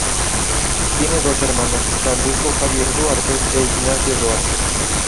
Tiene dos hermanos, Francisco Javier Duarte e Ignacio Duarte.